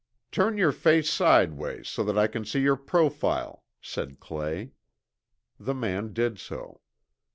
"Turn your face side ways, so that I can see your profile," said Clay. The man did so.